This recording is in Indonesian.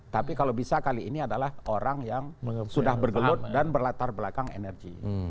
tapi kalau bisa kali ini adalah orang yang sudah bergelut dan berlatar belakang energi